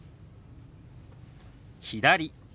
「左」。